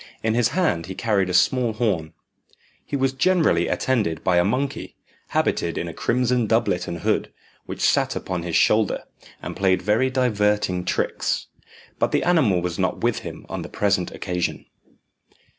In his hand he carried a small horn. He was generally attended by a monkey, habited in a crimson doublet and hood, which sat upon his shoulder, and played very diverting tricks, but the animal was not with him on the present occasion.